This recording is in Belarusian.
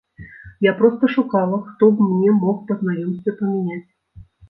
Я проста шукала, хто б мне мог па знаёмстве памяняць.